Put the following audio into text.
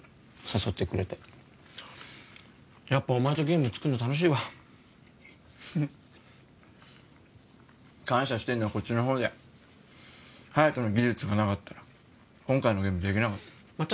誘ってくれてやっぱお前とゲーム作んの楽しいわフフッ感謝してんのはこっちの方だよ隼人の技術がなかったら今回のゲームできなかったまっ